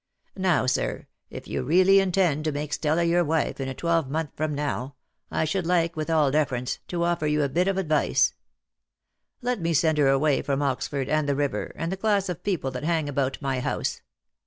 "Now, sir, if you really intend to make Stella your wife in a twelvemonth from now, I should like, with all deference, to offer you a bit of advice. Let me send her away from Oxford, and the river, and the class of people that hang about my house.